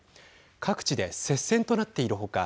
各地で接戦となっている他